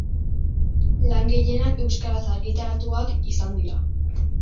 Lan gehienak euskaraz argitaratuak izan dira.